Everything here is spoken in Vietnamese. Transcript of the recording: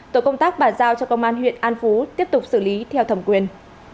tổ công tác bàn giao cho công an huyện an phú tiếp tục xử lý theo thẩm quyền